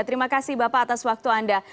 terima kasih bapak atas waktu anda